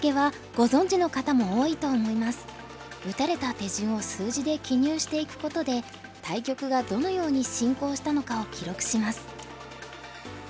打たれた手順を数字で記入していくことで対局がどのように進行したのかを記録します。